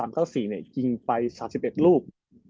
๙๓๙๔เนี่ยยิงไป๓๑รูป